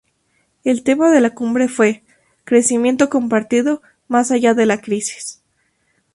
El tema de la cumbre fue "Crecimiento compartido más allá de la crisis".